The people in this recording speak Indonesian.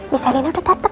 miss irina udah dateng